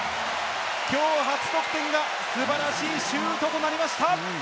きょう初得点が素晴らしいシュートとなりました。